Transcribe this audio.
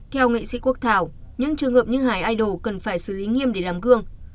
theo nghệ sĩ quốc thảo những trường hợp như hải idol cần phải xử lý nghiêm để làm gương